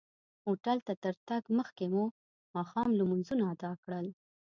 هوټل ته تر تګ مخکې مو ماښام لمونځونه ادا کړل.